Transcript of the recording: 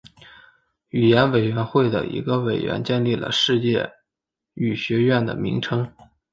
语言委员会的一个委员建议了世界语学院的名称。